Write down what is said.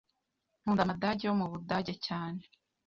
Nkunda amadage yo mu Budage cyane.